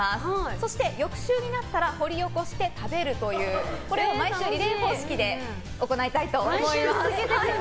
そして、翌週になったら掘り起こして食べるというこれを毎週リレー方式で行いたいと思います。